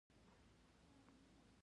د موټرو لوګی هوا خرابوي.